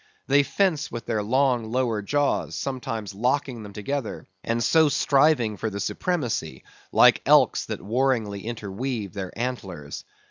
They fence with their long lower jaws, sometimes locking them together, and so striving for the supremacy like elks that warringly interweave their antlers.